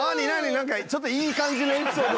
なんかちょっといい感じのエピソード。